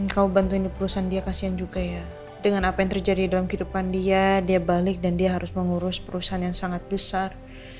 kau bantuin di perusahaan dia kasian juga ya dengan apa yang terjadi dalam kehidupan dia dia balik dan dia harus mengurus perusahaan yang sangat besar